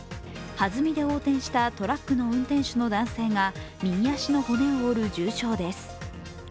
はずみで横転したトラックの運転手の男性が右足の骨を折る重傷です。